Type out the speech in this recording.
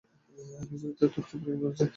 দিওয়ালিতে তোর কী পরিকল্পনা আছে?